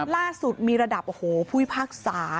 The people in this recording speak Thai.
ล่าสุดมีระดับผู้ภาษา